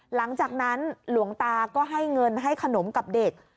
หลังจากนั้นหลวงตาก็ให้เงินให้ขนมกับเด็ก